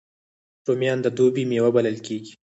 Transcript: رومیان د دوبي میوه بلل کېږي